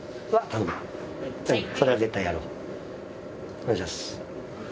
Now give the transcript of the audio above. お願いします。